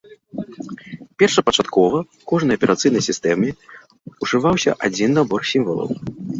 Першапачаткова ў кожнай аперацыйнай сістэме ўжываўся адзін набор сімвалаў.